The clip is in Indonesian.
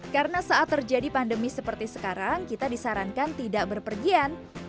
karena saat terjadi pandemi seperti sekarang kita disarankan tidak berpergian